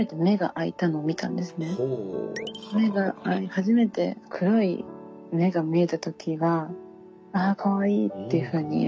初めて黒い目が見えた時は「ああかわいい」っていうふうに。